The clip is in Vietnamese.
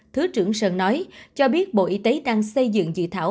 thứ trưởng sơn nói cho biết bộ y tế đang xây dựng dự thảo